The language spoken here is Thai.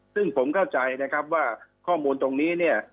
ซึ่งผมเข้าใจนะครับว่าข้อมูลตรงนี้เนี่ย